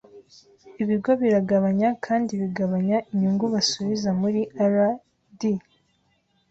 Ibigo biragabanya kandi bigabanya inyungu basubiza muri R&D.